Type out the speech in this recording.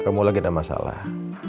kamu lagi gak masalah